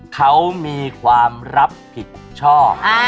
เขามีความรับผิดชอบ